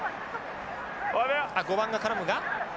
あっ５番が絡むが。